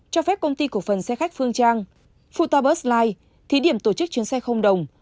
cho phép công ty cổ phần xe khách phương trang phu ta bus line thí điểm tổ chức chuyến xe không đồng